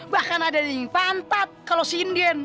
bahkan ada yang di pantat kalo sindian